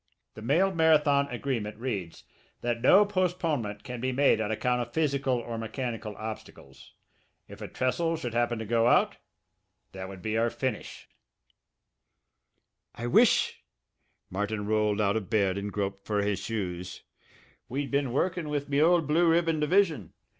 The mail marathon agreement reads that no postponement can be made on account of physical or mechanical obstacles. If a trestle should happen to go out that would be our finish." "I wish" Martin rolled out of bed and groped for his shoes "we'd been workin' with me old Blue Ribbon division.